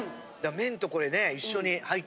麺とこれね一緒に入って。